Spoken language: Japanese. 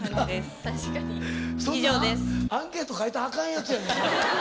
そんなんアンケート書いたらあかんやつやでそれ。